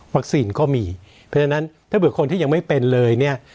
ก็มีเพราะฉะนั้นถ้าเผื่อคนที่ยังไม่เป็นเลยเนี่ย